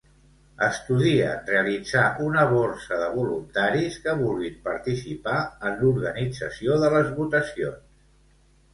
Estudien realitzar una “borsa” de voluntaris que vulguin participar en l'organització de les votacions.